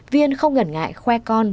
viên không ngẩn ngại khoe con